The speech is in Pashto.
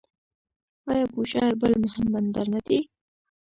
آیا بوشهر بل مهم بندر نه دی؟